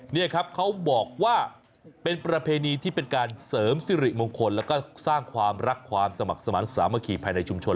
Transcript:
นี่ครับเขาบอกว่าเป็นประเพณีที่เป็นการเสริมสิริมงคลแล้วก็สร้างความรักความสมัครสมาธิสามัคคีภายในชุมชน